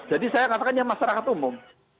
jadi saya katakan ya masyarakat umum